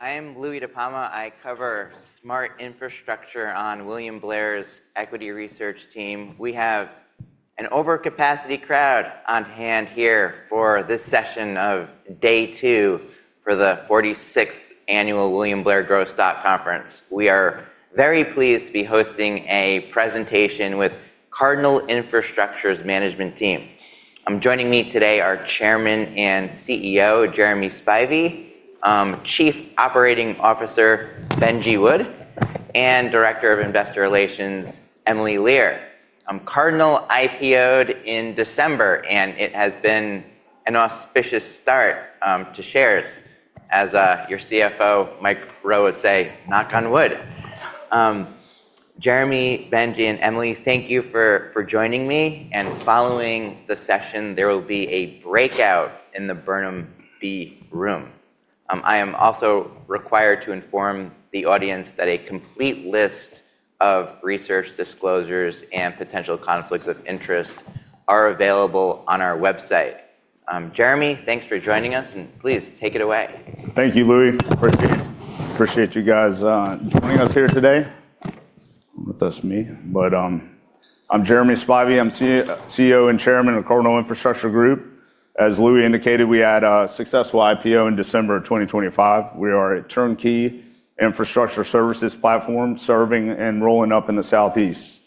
I am Louie DiPalma. I cover smart infrastructure on William Blair's equity research team. We have an over capacity crowd on hand here for this session of day two for the 46th Annual William Blair Growth Stock Conference. We are very pleased to be hosting a presentation with Cardinal Infrastructure's management team. Joining me today are Chairman and CEO, Jeremy Spivey, Chief Operating Officer, Benji Wood, and Director of Investor Relations, Emily Lear. Cardinal IPO'd in December and it has been an auspicious start to shares. As your CFO, Mike Rowe would say, "Knock on wood." Jeremy, Benji, and Emily, thank you for joining me. Following the session, there will be a breakout in the Burnham B room. I am also required to inform the audience that a complete list of research disclosures and potential conflicts of interest are available on our website. Jeremy, thanks for joining us. Please take it away. Thank you, Louie. Appreciate you guys joining us here today. That's me. I'm Jeremy Spivey. I'm CEO and Chairman of Cardinal Infrastructure Group. As Louie indicated, we had a successful IPO in December of 2025. We are a turnkey infrastructure services platform serving and rolling up in the Southeast.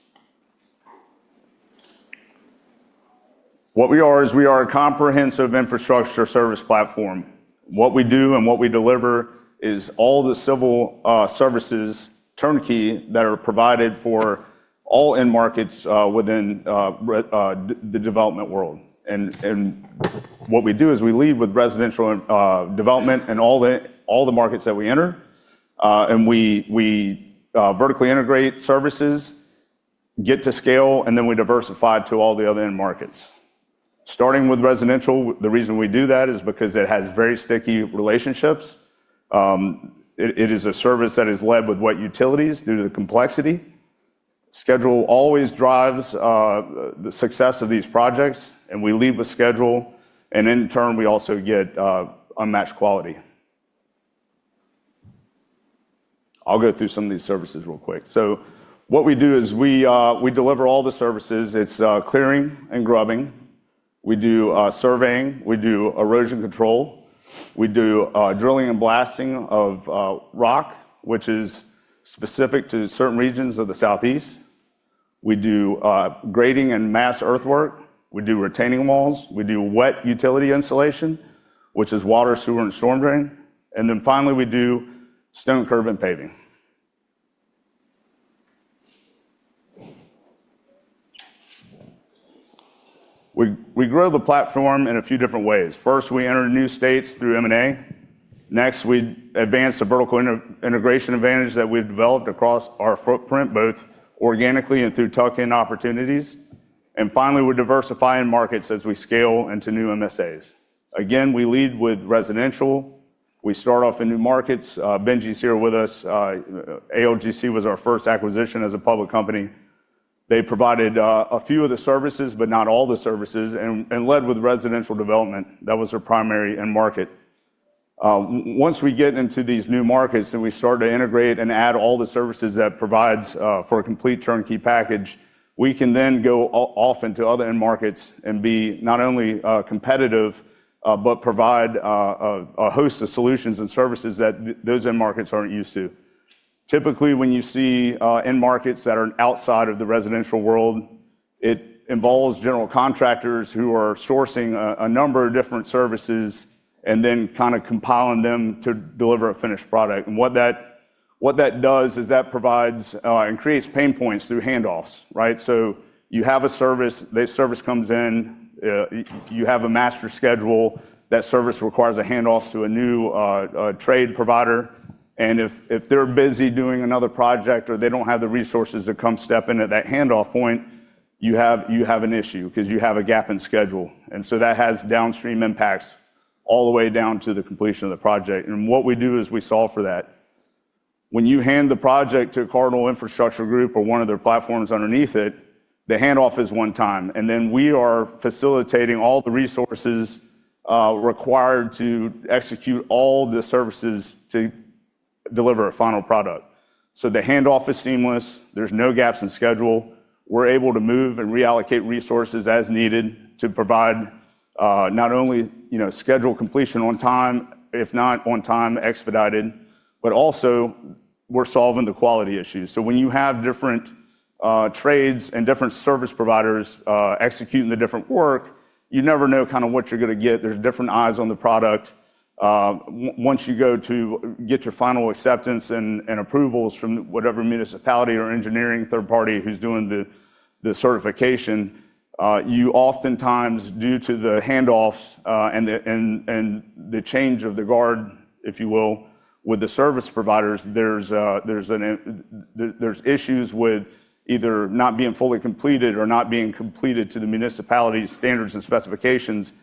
What we are is we are a comprehensive infrastructure service platform. What we do and what we deliver is all the civil services, turnkey, that are provided for all end markets within the development world. What we do is we lead with residential development in all the markets that we enter. We vertically integrate services, get to scale, and then we diversify to all the other end markets. Starting with residential, the reason we do that is because it has very sticky relationships. It is a service that is led with wet utilities due to the complexity. Schedule always drives the success of these projects, and we lead with schedule, and in turn, we also get unmatched quality. I'll go through some of these services real quick. What we do is we deliver all the services. It's clearing and grubbing. We do surveying. We do erosion control. We do drilling and blasting of rock, which is specific to certain regions of the Southeast. We do grading and mass earthwork. We do retaining walls. We do wet utility installation, which is water, sewer, and storm drain, and then finally, we do stone curb and paving. We grow the platform in a few different ways. First, we enter new states through M&A. Next, we advance the vertical integration advantage that we've developed across our footprint, both organically and through tuck-in opportunities. Finally, we diversify end markets as we scale into new MSAs. Again, we lead with residential. We start off in new markets. Benji's here with us. ALGC was our first acquisition as a public company. They provided a few of the services, but not all the services, and led with residential development. That was their primary end market. Once we get into these new markets and we start to integrate and add all the services that provides for a complete turnkey package, we can then go off into other end markets and be not only competitive, but provide a host of solutions and services that those end markets aren't used to. Typically, when you see end markets that are outside of the residential world, it involves general contractors who are sourcing a number of different services and then kind of compiling them to deliver a finished product. What that does is that provides and creates pain points through handoffs, right? You have a service, the service comes in, you have a master schedule. That service requires a handoff to a new trade provider, if they're busy doing another project or they don't have the resources to come step in at that handoff point, you have an issue because you have a gap in schedule and so that has downstream impacts all the way down to the completion of the project. What we do is we solve for that. When you hand the project to Cardinal Infrastructure Group or one of their platforms underneath it, the handoff is one time, then we are facilitating all the resources required to execute all the services to deliver a final product. The handoff is seamless. There's no gaps in schedule. We're able to move and reallocate resources as needed to provide, not only schedule completion on time, if not on time expedited, but also we're solving the quality issues. When you have different trades and different service providers executing the different work, you never know kind of what you're going to get. There's different eyes on the product. Once you go to get your final acceptance and approvals from whatever municipality or engineering third party who's doing the certification, you oftentimes, due to the handoffs and the change of the guard, if you will, with the service providers, there's issues with either not being fully completed or not being completed to the municipality's standards and specifications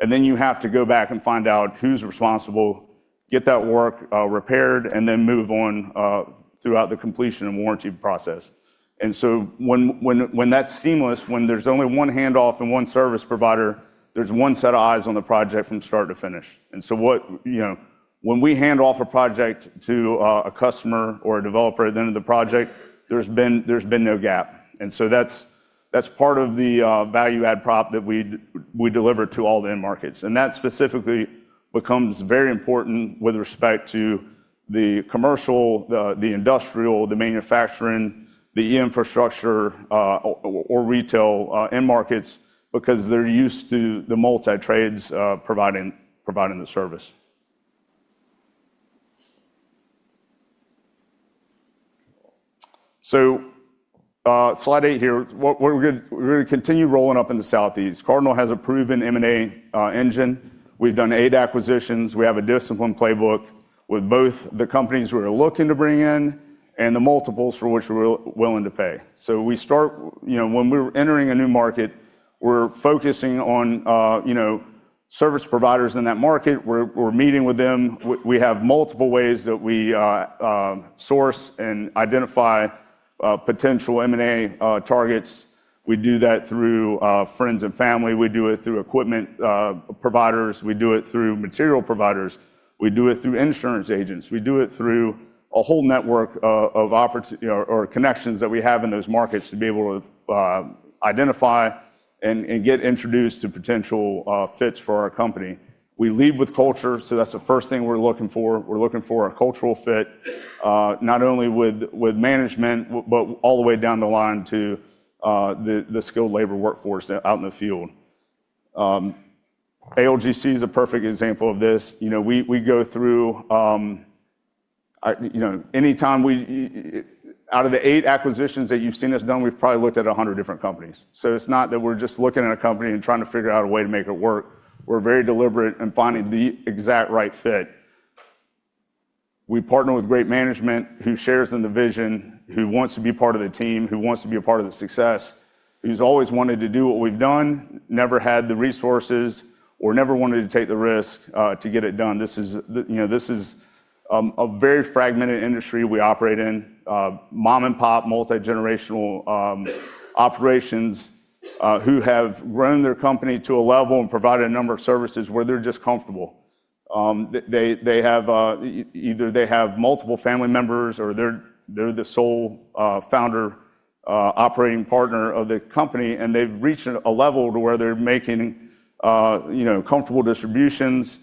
and then you have to go back and find out who's responsible, get that work repaired, and then move on throughout the completion and warranty process. When that's seamless, when there's only one handoff and one service provider, there's one set of eyes on the project from start to finish. You know, when we hand off a project to a customer or a developer at the end of the project, there's been no gap. That's part of the value add prop that we deliver to all the end markets. That specifically becomes very important with respect to the commercial, the industrial, the manufacturing, the infrastructure, or retail end markets, because they're used to the multi-trades providing the service. Slide eight here. We're going to continue rolling up in the Southeast. Cardinal has a proven M&A engine. We've done eight acquisitions. We have a discipline playbook with both the companies we're looking to bring in and the multiples for which we're willing to pay. We start, when we're entering a new market, we're focusing on service providers in that market. We're meeting with them. We have multiple ways that we source and identify potential M&A targets. We do that through friends and family. We do it through equipment providers. We do it through material providers. We do it through insurance agents. We do it through a whole network of connections that we have in those markets to be able to identify and get introduced to potential fits for our company. We lead with culture, so that's the first thing we're looking for. We're looking for a cultural fit, not only with management, but all the way down the line to the skilled labor workforce out in the field. ALGC is a perfect example of this. Out of the eight acquisitions that you've seen us done, we've probably looked at 100 different companies, so it's not that we're just looking at a company and trying to figure out a way to make it work. We're very deliberate in finding the exact right fit. We partner with great management who shares in the vision, who wants to be part of the team, who wants to be a part of the success, who's always wanted to do what we've done, never had the resources, or never wanted to take the risk to get it done. This is a very fragmented industry we operate in. Mom-and-pop, multi-generational operations who have grown their company to a level and provided a number of services where they're just comfortable. Either they have multiple family members or they're the sole founder operating partner of the company, and they've reached a level to where they're making comfortable distributions.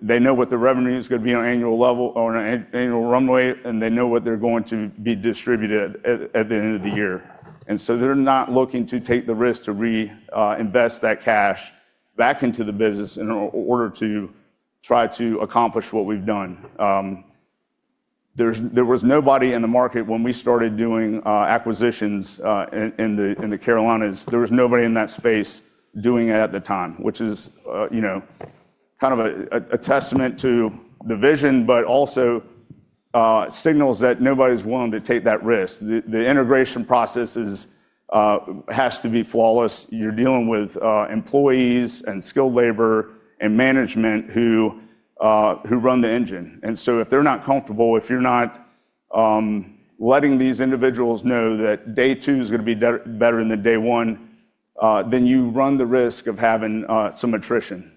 They know what the revenue is going to be on an annual level or on an annual runway, and they know what they're going to be distributed at the end of the year and so they're not looking to take the risk to reinvest that cash back into the business in order to try to accomplish what we've done. There was nobody in the market when we started doing acquisitions in the Carolinas. There was nobody in that space doing it at the time, which is kind of a testament to the vision, but also signals that nobody's willing to take that risk. The integration process has to be flawless. You're dealing with employees and skilled labor and management who run the engine. If they're not comfortable, if you're not letting these individuals know that day two's going to be better than the day one, then you run the risk of having some attrition.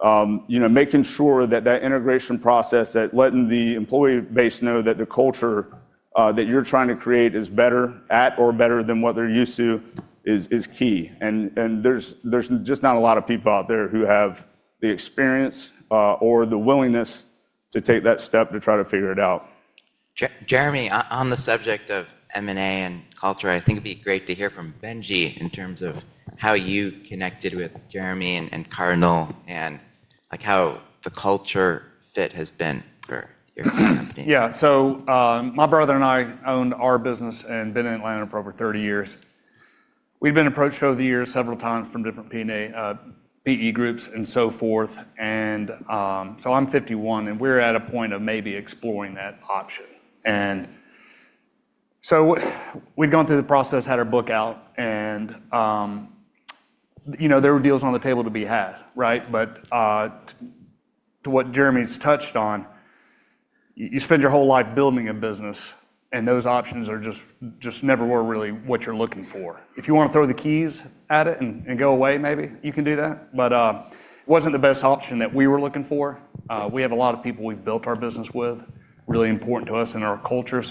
Making sure that that integration process, that letting the employee base know that the culture that you're trying to create is better at or better than what they're used to is key. There's just not a lot of people out there who have the experience or the willingness to take that step to try to figure it out. Jeremy, on the subject of M&A and culture, I think it'd be great to hear from Benji in terms of how you connected with Jeremy and Cardinal, and how the culture fit has been for your company. My brother and I owned our business and been in Atlanta for over 30 years. We've been approached over the years several times from different PE groups and so forth. I'm 51, and we're at a point of maybe exploring that option. We'd gone through the process, had our book out, and there were deals on the table to be had, right? To what Jeremy's touched on, you spend your whole life building a business, and those options are just never were really what you're looking for. If you want to throw the keys at it and go away, maybe, you can do that, but it wasn't the best option that we were looking for. We have a lot of people we've built our business with, really important to us and our culture.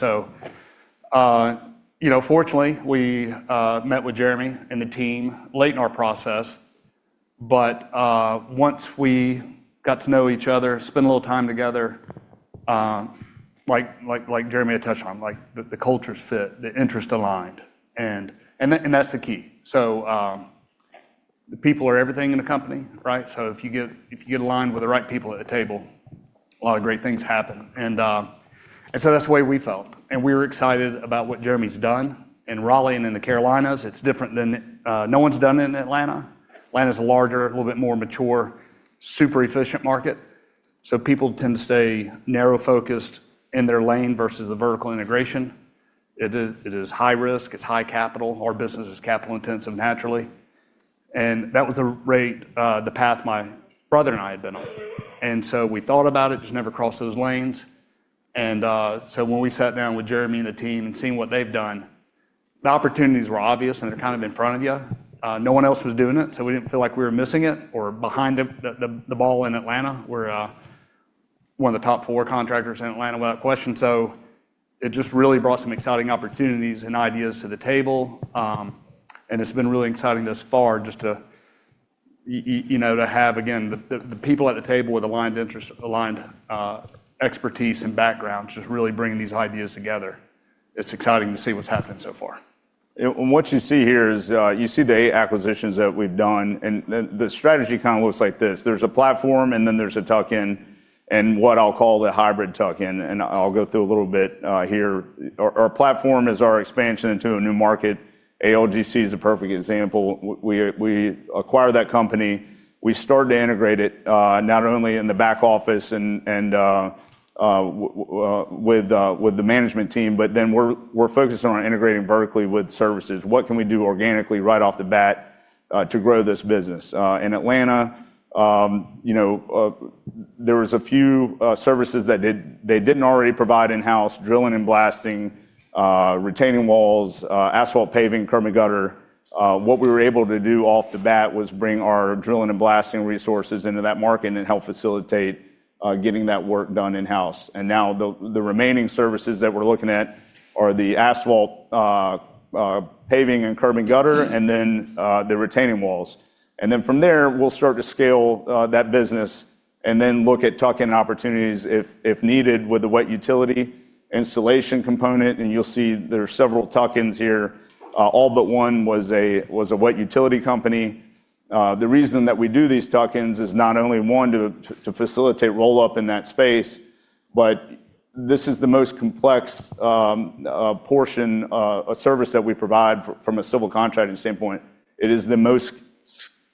Fortunately, we met with Jeremy and the team late in our process, but once we got to know each other, spend a little time together, like Jeremy had touched on, the cultures fit, the interest aligned and that's the key. The people are everything in a company, right? If you get aligned with the right people at the table, a lot of great things happen. That's the way we felt, and we were excited about what Jeremy's done in Raleigh and in the Carolinas. No one's done it in Atlanta. Atlanta's a larger, a little bit more mature, super efficient market. People tend to stay narrow-focused in their lane versus the vertical integration. It is high risk, it's high capital. Our business is capital intensive naturally. That was the path my brother and I had been on. We thought about it, just never crossed those lanes. When we sat down with Jeremy and the team and seeing what they've done. The opportunities were obvious, and they're kind of in front of you. No one else was doing it, so we didn't feel like we were missing it or behind the ball in Atlanta. We're one of the top four contractors in Atlanta without question. It just really brought some exciting opportunities and ideas to the table. It's been really exciting thus far just to have, again, the people at the table with aligned interest, aligned expertise, and background, just really bringing these ideas together. It's exciting to see what's happened so far. What you see here is you see the eight acquisitions that we've done, and the strategy kind of looks like this. There's a platform and then there's a tuck-in and what I'll call the hybrid tuck-in, and I'll go through a little bit here. Our platform is our expansion into a new market. ALGC is a perfect example. We acquired that company, we started to integrate it, not only in the back office and with the management team, but then we're focusing on integrating vertically with services. What can we do organically right off the bat to grow this business? In Atlanta, there was a few services that they didn't already provide in-house, drilling and blasting, retaining walls, asphalt paving, curb and gutter. What we were able to do off the bat was bring our drilling and blasting resources into that market and help facilitate getting that work done in-house. Now the remaining services that we're looking at are the asphalt paving and curb and gutter, then the retaining walls. Then from there, we'll start to scale that business and then look at tuck-in opportunities if needed with the wet utility installation component and you'll see there are several tuck-ins here. All but one was a wet utility company. The reason that we do these tuck-ins is not only, one, to facilitate roll-up in that space, but this is the most complex portion, service that we provide from a civil contracting standpoint. It is the most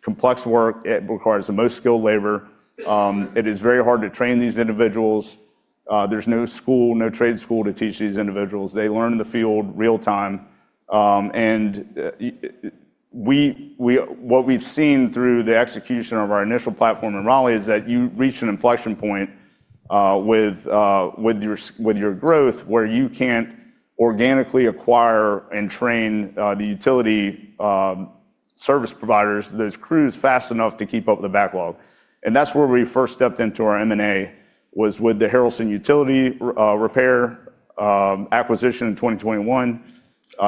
complex work. It requires the most skilled labor. It is very hard to train these individuals. There's no school, no trade school to teach these individuals. They learn in the field real-time. What we've seen through the execution of our initial platform in Raleigh is that you reach an inflection point with your growth where you can't organically acquire and train the utility service providers, those crews fast enough to keep up with the backlog. That's where we first stepped into our M&A, was with the Haralson Utility Repair acquisition in 2021.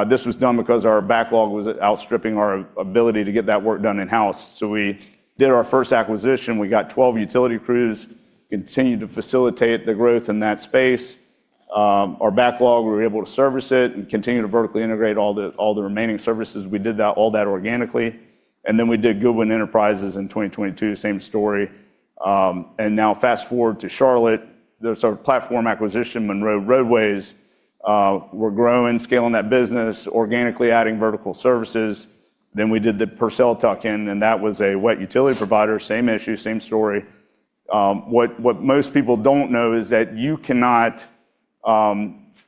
This was done because our backlog was outstripping our ability to get that work done in-house. We did our first acquisition. We got 12 utility crews, continued to facilitate the growth in that space. Our backlog, we were able to service it and continue to vertically integrate all the remaining services. We did all that organically and then we did Goodwin Enterprises in 2022, same story. Now fast-forward to Charlotte, there's our platform acquisition, Monroe Roadways. We're growing, scaling that business, organically adding vertical services. We did the Purcell tuck-in, and that was a wet utility provider, same issue, same story. What most people don't know is that you cannot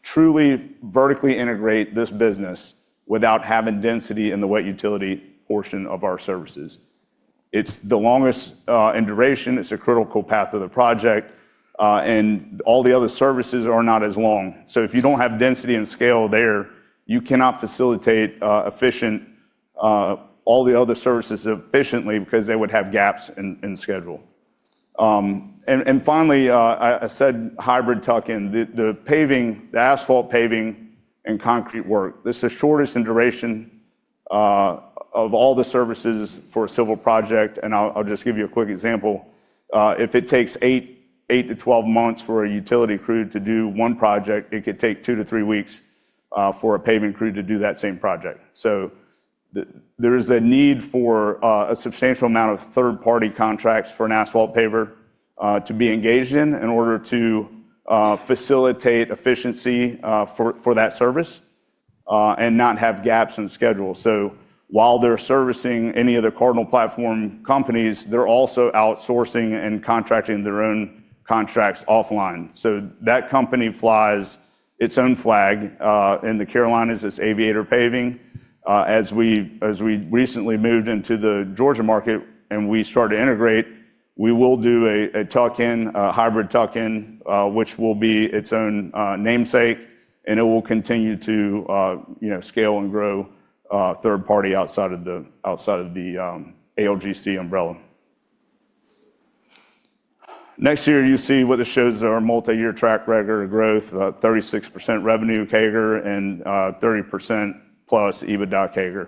truly vertically integrate this business without having density in the wet utility portion of our services. It's the longest in duration, it's a critical path of the project and all the other services are not as long. If you don't have density and scale there, you cannot facilitate all the other services efficiently because they would have gaps in schedule. Finally, I said hybrid tuck-in. The asphalt paving and concrete work, it's the shortest in duration of all the services for a civil project, and I'll just give you a quick example. If it takes 8-12 months for a utility crew to do one project, it could take two to three weeks for a paving crew to do that same project. There is a need for a substantial amount of third-party contracts for an asphalt paver to be engaged in order to facilitate efficiency for that service and not have gaps in schedule. While they're servicing any of the Cardinal platform companies, they're also outsourcing and contracting their own contracts offline. That company flies its own flag. In the Carolinas, it's Aviator Paving. As we recently moved into the Georgia market and we start to integrate, we will do a tuck-in, a hybrid tuck-in, which will be its own namesake, and it will continue to scale and grow third party outside of the ALGC umbrella. Next here you see what this shows is our multi-year track record of growth, 36% revenue CAGR and 30%+ EBITDA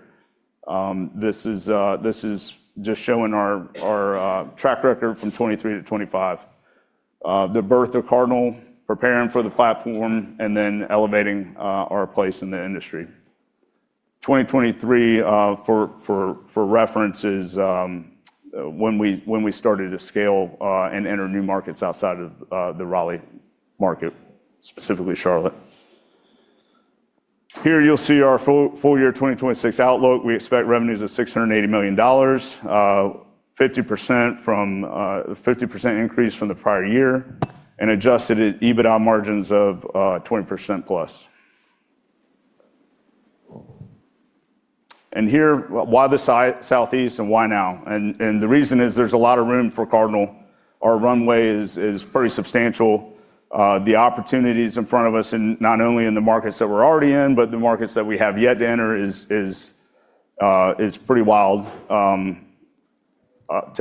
CAGR. This is just showing our track record from 2023-2025. The birth of Cardinal, preparing for the platform, and then elevating our place in the industry. 2023, for reference, is when we started to scale and enter new markets outside of the Raleigh market, specifically Charlotte. Here you'll see our full year 2026 outlook. We expect revenues of $680 million, 50% increase from the prior year, and adjusted EBITDA margins of 20%+. Here, why the Southeast and why now? The reason is there's a lot of room for Cardinal. Our runway is pretty substantial. The opportunities in front of us, and not only in the markets that we're already in, but the markets that we have yet to enter, is pretty wild, to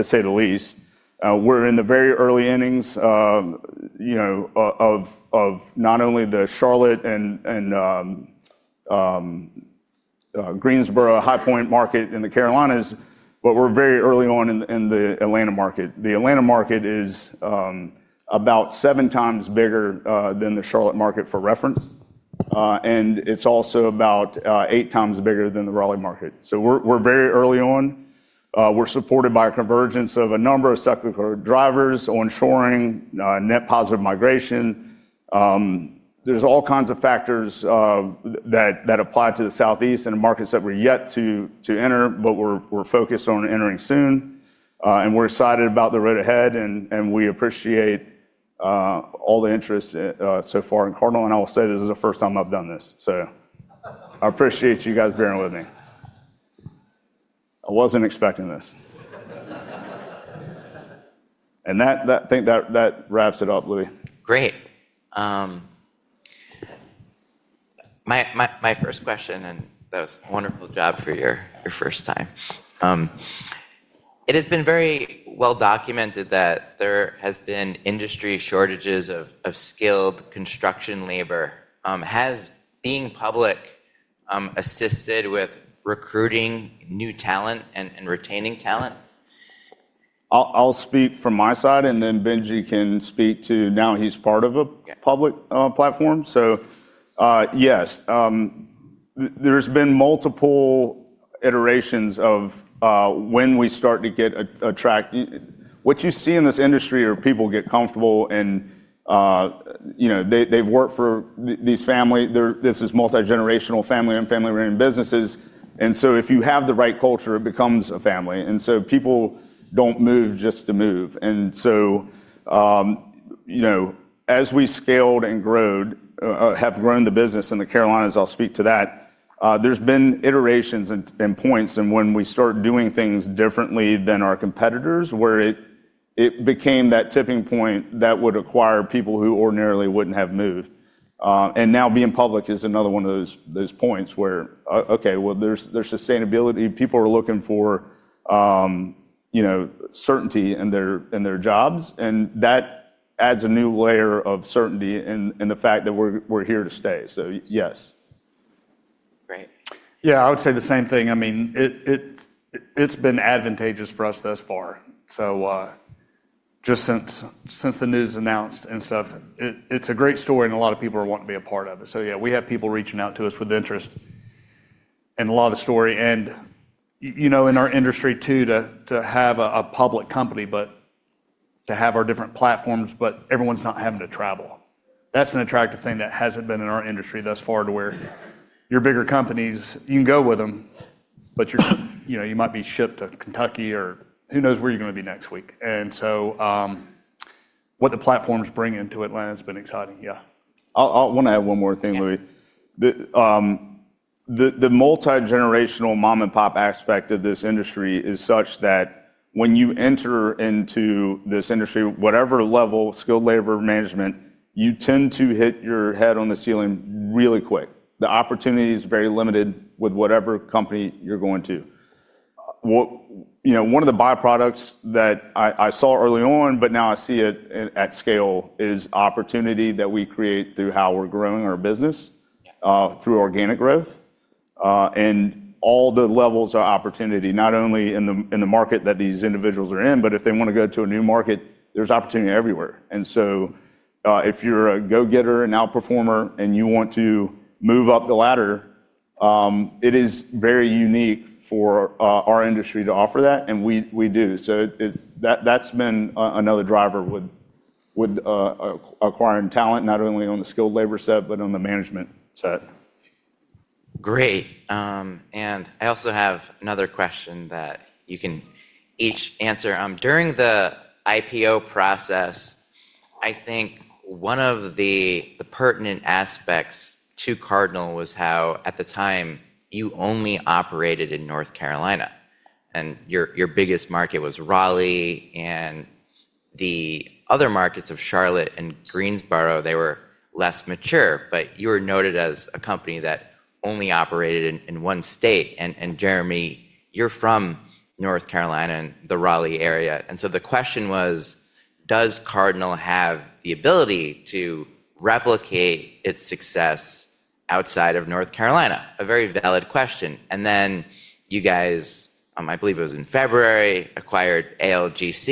say the least. We're in the very early innings of not only the Charlotte and Greensboro-High Point market in the Carolinas, but we're very early on in the Atlanta market. The Atlanta market is about seven times bigger than the Charlotte market, for reference. It's also about eight times bigger than the Raleigh market. We're very early on. We're supported by a convergence of a number of cyclical drivers, onshoring, net positive migration. There's all kinds of factors that apply to the Southeast and the markets that we're yet to enter, but we're focused on entering soon and we're excited about the road ahead, and we appreciate all the interest so far in Cardinal. I will say, this is the first time I've done this. I appreciate you guys bearing with me. I wasn't expecting this. I think that wraps it up, Louie. Great. My first question, and that was a wonderful job for your first time. It has been very well-documented that there has been industry shortages of skilled construction labor. Has being public assisted with recruiting new talent and retaining talent? I'll speak from my side, and then Benji can speak to now he's part of a public platform. Yes. There's been multiple iterations of when we start to attract. What you see in this industry are people get comfortable and they've worked for these families. This is multigenerational family and family-run businesses. If you have the right culture, it becomes a family. People don't move just to move. As we scaled and have grown the business in the Carolinas, I'll speak to that, there's been iterations and points and when we start doing things differently than our competitors, where it became that tipping point that would acquire people who ordinarily wouldn't have moved. Now being public is another one of those points where, okay, well, there's sustainability. People are looking for certainty in their jobs, and that adds a new layer of certainty in the fact that we're here to stay so yes. Great. Yeah, I would say the same thing. It's been advantageous for us thus far. Just since the news announced and stuff, it's a great story, and a lot of people want to be a part of it. Yeah, we have people reaching out to us with interest and love the story. In our industry too, to have a public company, but to have our different platforms, but everyone's not having to travel. That's an attractive thing that hasn't been in our industry thus far to where your bigger companies, you can go with them, but you might be shipped to Kentucky or who knows where you're going to be next week. What the platforms bring into Atlanta has been exciting. Yeah. I want to add one more thing, Louie. Yeah. The multigenerational mom-and-pop aspect of this industry is such that when you enter into this industry, whatever level, skilled labor, management, you tend to hit your head on the ceiling really quick. The opportunity is very limited with whatever company you're going to. One of the byproducts that I saw early on, but now I see it at scale, is opportunity that we create through how we're growing our business, through organic growth. All the levels of opportunity, not only in the market that these individuals are in, but if they want to go to a new market, there's opportunity everywhere. If you're a go-getter, an outperformer, and you want to move up the ladder, it is very unique for our industry to offer that, and we do. That's been another driver with acquiring talent, not only on the skilled labor side, but on the management side. Great. I also have another question that you can each answer. During the IPO process, I think one of the pertinent aspects to Cardinal was how, at the time, you only operated in North Carolina, and your biggest market was Raleigh, and the other markets of Charlotte and Greensboro, they were less mature, but you were noted as a company that only operated in one state. Jeremy, you're from North Carolina and the Raleigh area, and so the question was: does Cardinal have the ability to replicate its success outside of North Carolina? A very valid question. You guys, I believe it was in February, acquired ALGC,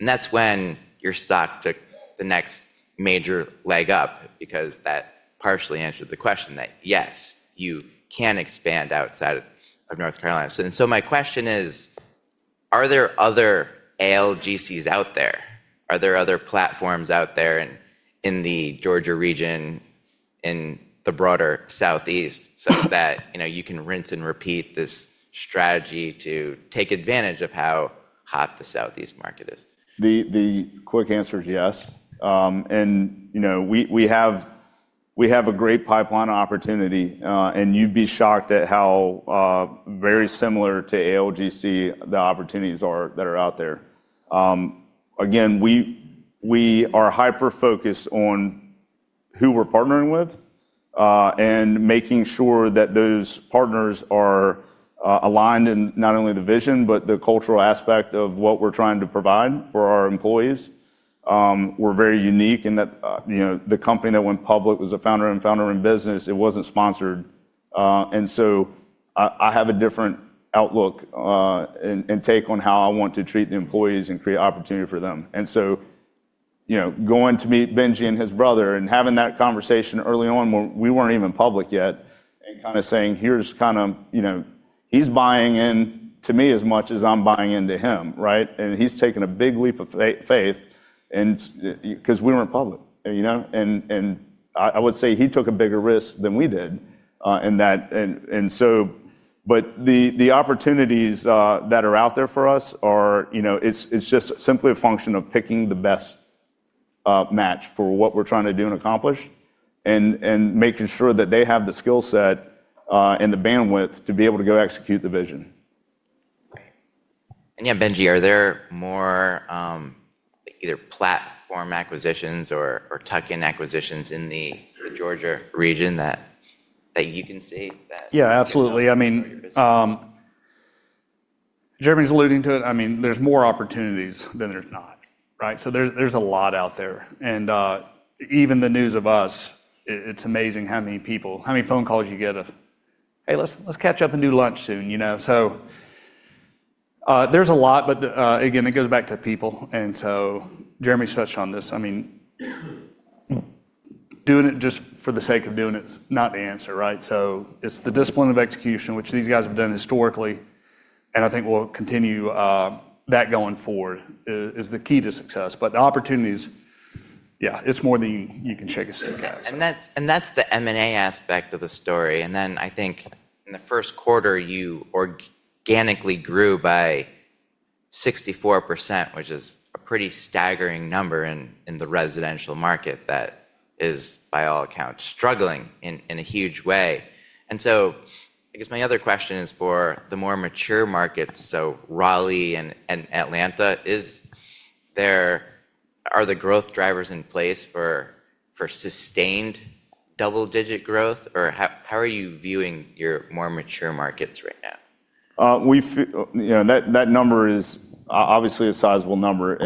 and that's when your stock took the next major leg up, because that partially answered the question that, yes, you can expand outside of North Carolina. My question is, are there other ALGCs out there? Are there other platforms out there in the Georgia region, in the broader Southeast, so that you can rinse and repeat this strategy to take advantage of how hot the Southeast market is? The quick answer is yes. We have a great pipeline opportunity, and you'd be shocked at how very similar to ALGC the opportunities are that are out there. Again, we are hyper-focused on who we're partnering with, and making sure that those partners are aligned in not only the vision, but the cultural aspect of what we're trying to provide for our employees. We're very unique in that the company that went public was a founder and founder in business. It wasn't sponsored. I have a different outlook and take on how I want to treat the employees and create opportunity for them. Going to meet Benji and his brother and having that conversation early on when we weren't even public yet, and kind of saying, "He's buying in to me as much as I'm buying into him, and he's taking a big leap of faith, because we weren't public." You know? I would say he took a bigger risk than we did. The opportunities that are out there for us are, it's just simply a function of picking the best match for what we're trying to do and accomplish, and making sure that they have the skill set and the bandwidth to be able to go execute the vision. Right. Yeah, Benji, are there more either platform acquisitions or tuck-in acquisitions in the Georgia region that you can see that- Yeah, absolutely. I mean, Jeremy's alluding to it. There's more opportunities than there's not. Right? There's a lot out there. Even the news of us, it's amazing how many people, how many phone calls you get of, "Hey, let's catch up and do lunch soon." There's a lot, but again, it goes back to people. Jeremy touched on this. I mean, doing it just for the sake of doing it is not the answer, right? It's the discipline of execution, which these guys have done historically, and I think we'll continue that going forward, is the key to success. The opportunities, yeah, it's more than you can shake a stick at. That's the M&A aspect of the story. Then I think in the first quarter, you organically grew by 64%, which is a pretty staggering number in the residential market that is by all accounts struggling in a huge way. So, I guess my other question is for the more mature markets, so Raleigh and Atlanta, are the growth drivers in place for sustained double-digit growth? How are you viewing your more mature markets right now? That number is obviously a sizable number.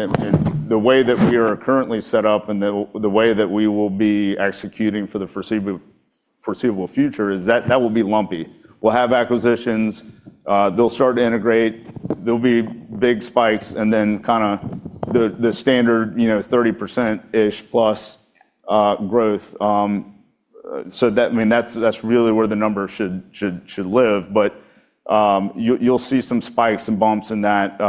The way that we are currently set up and the way that we will be executing for the foreseeable future is that will be lumpy. We'll have acquisitions, they'll start to integrate, there'll be big spikes, and then kind of the standard 30%-ish+ growth. That's really where the numbers should live. You'll see some spikes and bumps in that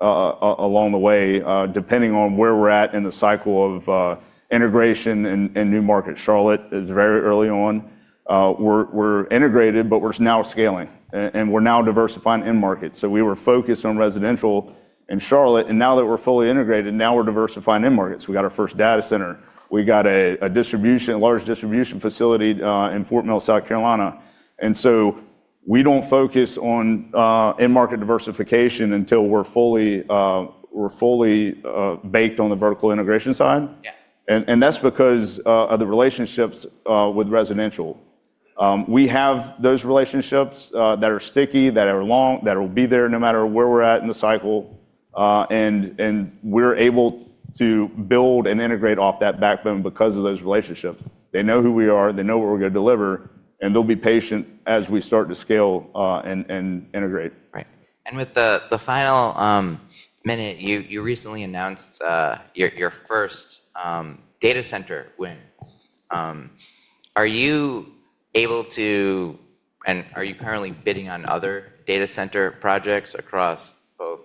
along the way, depending on where we're at in the cycle of integration and new market. Charlotte is very early on. We're integrated, but we're now scaling, and we're now diversifying end markets. We were focused on residential in Charlotte, and now that we're fully integrated, now we're diversifying end markets. We got our first data center. We got a large distribution facility in Fort Mill, South Carolina and so we don't focus on end market diversification until we're fully baked on the vertical integration side. Yeah. And that's because of the relationships with residential. We have those relationships that are sticky, that are long, that will be there no matter where we're at in the cycle. We're able to build and integrate off that backbone because of those relationships. They know who we are, they know what we're going to deliver, and they'll be patient as we start to scale and integrate. Right. With the final minute, you recently announced your first data center win. Are you able to, and are you currently bidding on other data center projects across both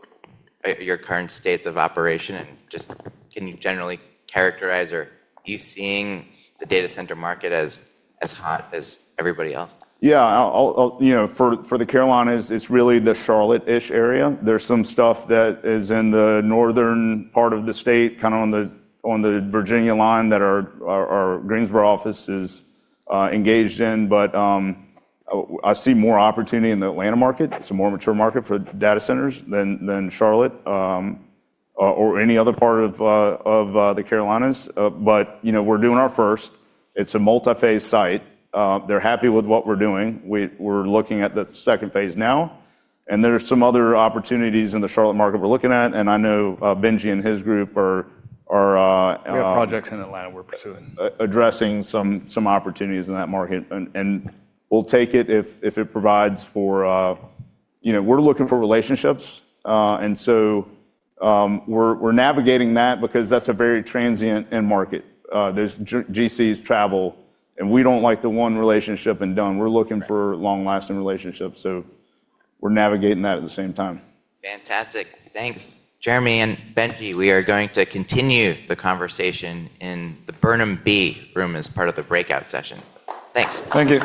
your current states of operation? Just can you generally characterize, are you seeing the data center market as hot as everybody else? For the Carolinas, it's really the Charlotte-ish area. There's some stuff that is in the northern part of the state, kind of on the Virginia line that our Greensboro office is engaged in, I see more opportunity in the Atlanta market. It's a more mature market for data centers than Charlotte, or any other part of the Carolinas. We're doing our first. It's a multi-phase site. They're happy with what we're doing. We're looking at the second phase now. There's some other opportunities in the Charlotte market we're looking at, and I know Benji and his group are- We have projects in Atlanta we're pursuing. ...addressing some opportunities in that market. We'll take it. We're looking for relationships. We're navigating that because that's a very transient end market. GCs travel, and we don't like the one relationship and done. We're looking for long-lasting relationships. We're navigating that at the same time. Fantastic. Thanks Jeremy and Benji. We are going to continue the conversation in the Burnham B room as part of the breakout session. Thanks. Thank you.